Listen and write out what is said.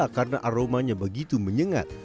karena aromanya begitu menyengat